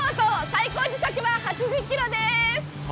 最高時速は８０ｋｍです。